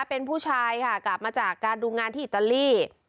เป็นผู้ชายค่ะกลับมาจากการดูงานที่อิตาลี